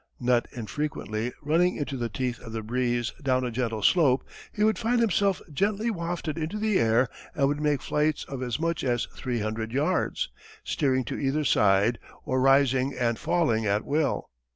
Not infrequently, running into the teeth of the breeze down a gentle slope he would find himself gently wafted into the air and would make flights of as much as three hundred yards, steering to either side, or rising and falling at will.